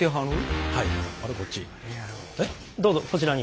どうぞこちらに。